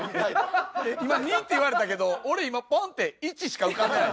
今「２」って言われたけど俺今ポンって「１」しか浮かんでない。